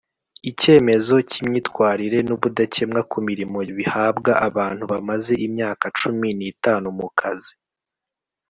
icyemezo kimyitwarire n’ ubudakemwa ku murimo bihabwa abantu bamaze imyaka cumi ni itanu mu kazi